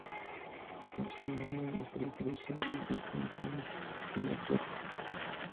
Mason Gamble es hijo de Sally y Tim Gamble, un actor.